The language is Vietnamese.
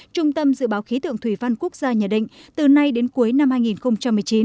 trung tâm dự báo khí tượng thủy văn quốc gia nhà định từ nay đến cuối năm hai nghìn một mươi chín